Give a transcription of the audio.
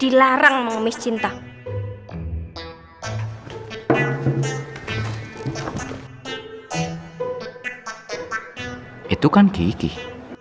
dilarang mengemis cinta itu kan gigih